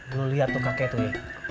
gue liat tuh kakek tuh